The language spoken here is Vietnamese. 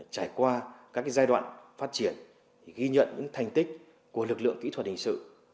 trải qua các giai đoạn phát triển ghi nhận những thành tích của lực lượng kỹ thuật hình sự